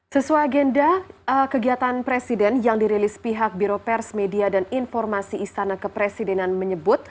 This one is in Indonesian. sesuai agenda kegiatan presiden yang dirilis pihak biro pers media dan informasi istana kepresidenan menyebut